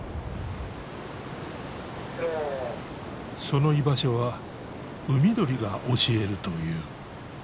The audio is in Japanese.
その居場所はウミドリが教えるという。